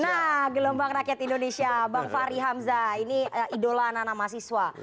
nah gelombang rakyat indonesia bang fahri hamzah ini idola anak anak mahasiswa